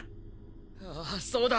あぁそうだ！！